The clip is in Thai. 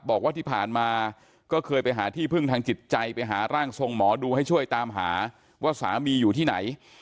บอกว่าที่ผ่านมาก็เคยไปหาที่พึ่งทางจิตใจไปหาร่างทรงหมอดูให้ช่วยตามหาว่าสามีอยู่ที่ไหน